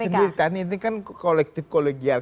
sendiri kan ini kan kolektif kolegial